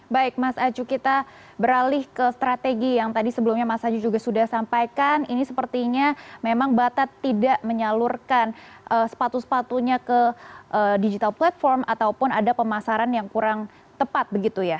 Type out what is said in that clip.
baik mas acu kita beralih ke strategi yang tadi sebelumnya mas aju juga sudah sampaikan ini sepertinya memang batat tidak menyalurkan sepatu sepatunya ke digital platform ataupun ada pemasaran yang kurang tepat begitu ya